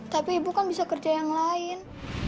tapi ibu kan bisa kerja yang lain